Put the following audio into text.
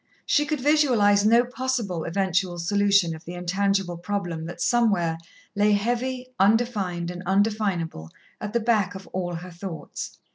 She could visualize no possible eventual solution of the intangible problem that somewhere lay heavy, undefined and undefinable, at the back of all her thoughts.